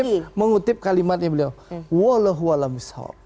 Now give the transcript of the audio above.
saya mengutip kalimatnya beliau walahualamisawab